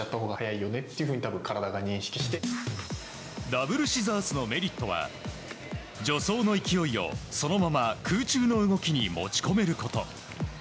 ダブルシザースのメリットは助走の勢いをそのまま空中の動きに持ち込めること。